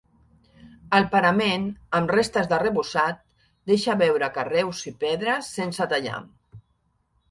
El parament, amb restes d'arrebossat, deixa veure carreus i pedres sense tallar.